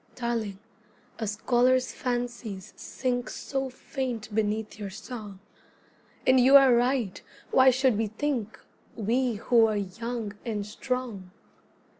Darling, a scholar's fancies sink So faint beneath your song; And you are right, why should we think, We who are young and strong?